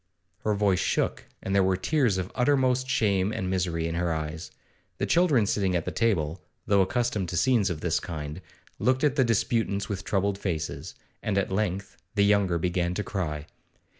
Her voice shook, and there were tears of uttermost shame and misery in her eyes. The children sitting at the table, though accustomed to scenes of this kind, looked at the disputants with troubled faces, and at length the younger began to cry.